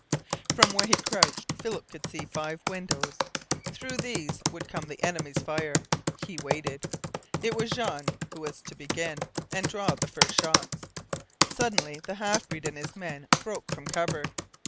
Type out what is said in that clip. From where he crouched Philip could see five windows. Through these would come the enemy's fire. He waited. It was Jean who was to begin, and draw the first shots. Suddenly the half breed and his men broke from cover.